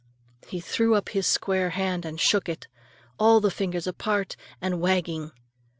_" He threw up his square hand and shook it, all the fingers apart and wagging.